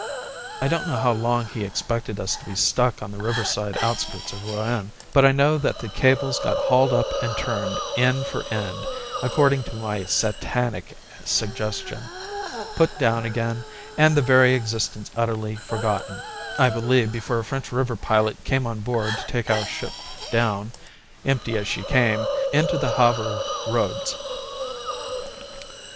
I don't know how long he expected us to be stuck on the riverside outskirts of Rouen, but I know that the cables got hauled up and turned end for end according to my satanic suggestion, put down again, and their very existence utterly forgotten, I believe, before a French river pilot came on board to take our ship down, empty as she came, into the Havre roads.